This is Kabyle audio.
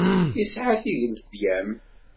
Yesɛa tigletyam.